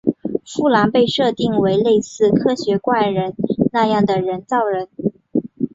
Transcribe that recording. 芙兰被设定为类似科学怪人那样的人造人。